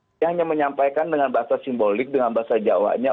dia hanya menyampaikan dengan bahasa simbolik dengan bahasa jawanya